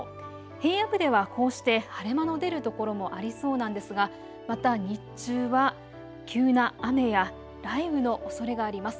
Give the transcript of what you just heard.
平野部ではこうして晴れ間の出る所もありそうなんですがまた日中は急な雨や雷雨のおそれがあります。